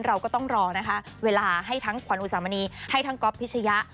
เราก็ต้องรอนะคะเวลาให้ทั้งขวัญอุสามณีให้ทั้งก๊อฟพิชยะ